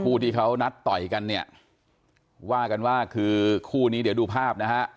คู่ที่เขานัดต่อยกันเนี่ยว่ากันว่าคือคู่นี้เดี๋ยวดูภาพนะฮะ